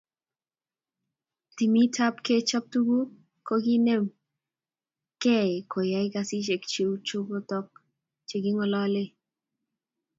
Timit ab kechob tukuk ko kinem ke koyay kasisiek kochop tukuk che kingolole